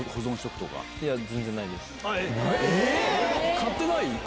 ⁉買ってない？